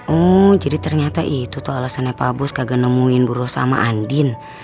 oh jadi ternyata itu tuh alasannya pak bos kagak nemuin bu rossa sama andin